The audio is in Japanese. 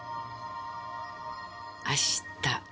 明日。